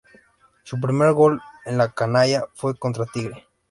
Su primer gol en el canalla fue contra Tigre.